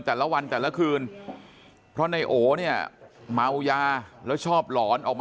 แต่ละวันแต่ละคืนเพราะในโอนี้เมายาแล้วชอบหลอน